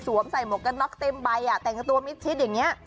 ใส่หมวกกันน็อกเต็มใบแต่งตัวมิดชิดอย่างนี้